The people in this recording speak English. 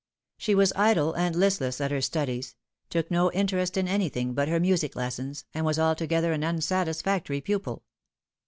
She was idle and listless at her studies, took no interest in anything but her music lessons, and was altogether an unsatisfactory pupil.